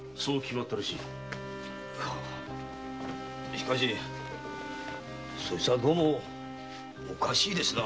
しかしそいつはどうもおかしいですな。